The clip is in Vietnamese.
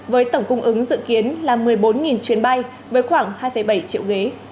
với tổng cung ứng dự kiến là một mươi bốn chuyến bay với khoảng hai bảy triệu ghế